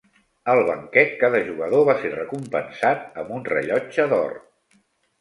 Al banquet, cada jugador va ser recompensat amb un rellotge d'or.